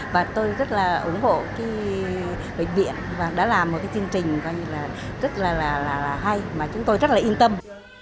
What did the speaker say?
và tôi rất là ủng hộ bệnh viện và đã làm một cái chương trình rất là hay mà chúng tôi rất là yên tâm